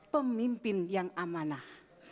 pemimpin yang amanah